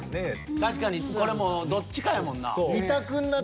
確かにこれもうどっちかやもんな。